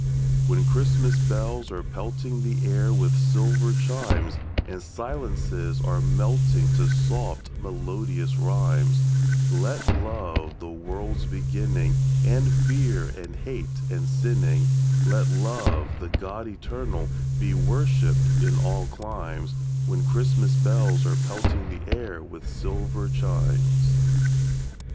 When Christmas bells are pelting the air with silver chimes, And silences are melting to soft, melodious rhymes, Let Love, the world's beginning, End fear and hate and sinning; Let Love, the God Eternal, be worshipped in all climes When Christmas bells are pelting the air with silver chimes.